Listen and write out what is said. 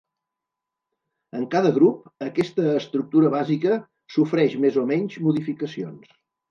En cada grup, aquesta estructura bàsica sofreix més o menys modificacions.